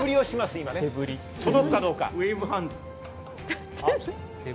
今ね、届くかどうか。